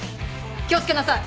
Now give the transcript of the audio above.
気を付けなさい！